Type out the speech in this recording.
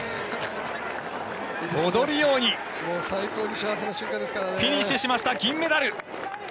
踊るようにフィニッシュしました銀メダル。